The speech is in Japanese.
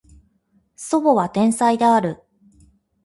叔母は天才である